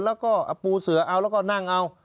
แล้วก็เอาปูเสือเอาแล้วก็นั่งเอา